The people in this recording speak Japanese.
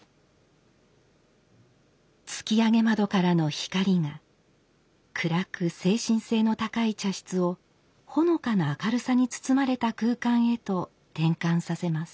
突き上げ窓からの光が暗く精神性の高い茶室をほのかな明るさに包まれた空間へと転換させます。